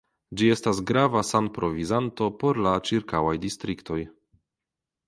Ĝi estas grava sanprovizanto por la ĉirkaŭaj distriktoj.